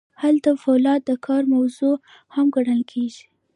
هلته فولاد د کار موضوع هم ګڼل کیږي.